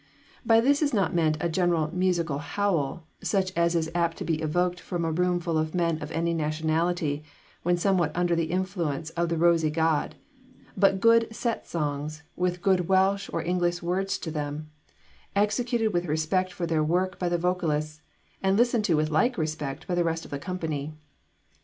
By this is not meant a general musical howl, such as is apt to be evoked from a room full of men of any nationality when somewhat under the influence of the rosy god, but good set songs, with good Welsh or English words to them, executed with respect for their work by the vocalists, and listened to with a like respect by the rest of the company.